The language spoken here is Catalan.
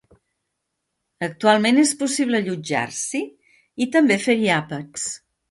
Actualment és possible allotjar-s'hi i també fer-hi àpats.